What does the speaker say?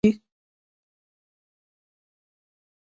چې د دیوبند په مدرسه کې یې زده کړې کړې دي.